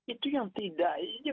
itu yang tidak